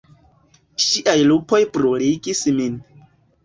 Ŝiaj lipoj bruligis min.